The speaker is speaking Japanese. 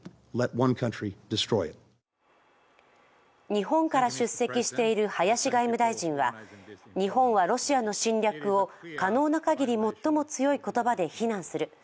日本から出席している林外務大臣は日本はロシアの侵略を可能な限り最も強い言葉で非難する。